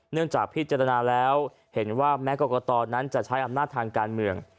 เนื่องจากพิจารณาแล้วเห็นว่าแม้กรกตนั้นจะใช้อำนาจทางการเมือง